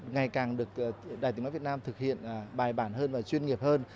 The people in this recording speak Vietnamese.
ngày càng được đài tiếng nói việt nam thực hiện bài bản hơn và chuyên nghiệp hơn